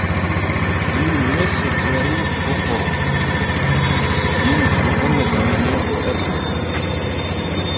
"Yiwen wass ad d-yarew uqerru, seg yimeẓẓuɣen ad d-yini abbuh.